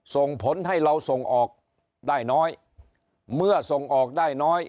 ส่งผลให้เราส่งออกได้น้อยเมื่อส่งออกได้น้อย